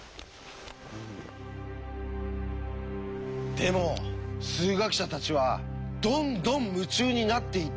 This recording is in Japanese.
でも数学者たちはどんどん夢中になっていったっていうんですよ。